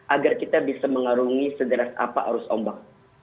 agar kita bisa mengarungi sederas apa arus ombak